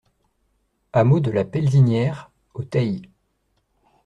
Hameau de la Pelzinière au Theil